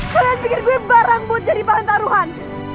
kalian pikir gue barang buat jadi barang taruhan